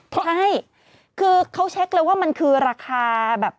ใช่คือเขาเช็คเลยว่ามันคือราคาแบบ